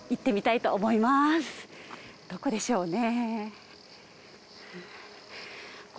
どこでしょうね。